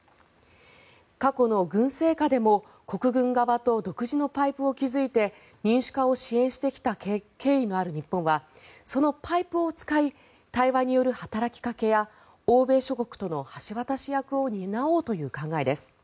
過去の軍政下でも国軍側と独自のパイプを築いて民主化を支援してきた経緯のある日本はそのパイプを使い対話による働きかけや欧米諸国との橋渡し役を担おうとの考えです。